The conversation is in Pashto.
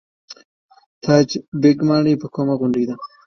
تاج بیګ ماڼۍ په کومه غونډۍ ده؟